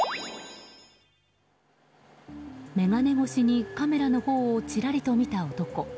眼鏡越しにカメラのほうをちらりと見た男。